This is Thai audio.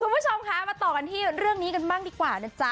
คุณผู้ชมคะมาต่อกันที่เรื่องนี้กันบ้างดีกว่านะจ๊ะ